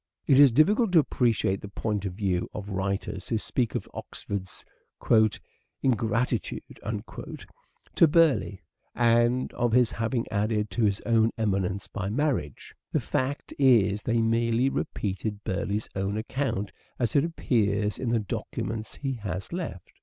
It is difficult to appreciate the point of view of Burieigh's writers who speak of Oxford's " ingratitude " to Burleigh, and of his having added to his own eminence by marriage. The fact is they merely repeat Burieigh's own account as it appears in the documents he has left.